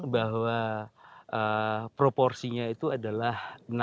bahwa proporsinya itu adalah enam puluh empat puluh